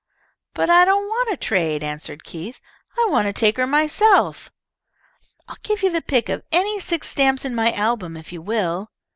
"But I don't want to trade," answered Keith. "I want to take her myself." "I'll give you the pick of any six stamps in my album if you will."